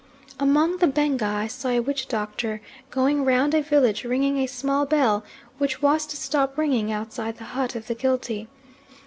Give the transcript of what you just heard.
Among the Benga I saw a witch doctor going round a village ringing a small bell which was to stop ringing outside the hut of the guilty.